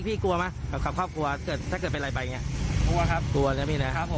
กลัวครับครับผม